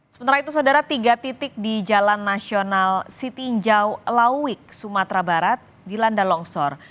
sementara itu saudara tiga titik di jalan nasional sitinjau lawik sumatera barat dilanda longsor